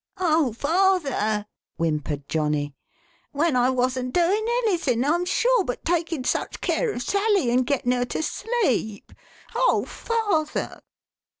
"Oh, father!" whimpered Johnny, "when I wasn't doing anything, I'm sure, but taking such care of Sally, and getting her to sleep. Oh, father